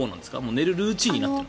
寝るルーチンになっている？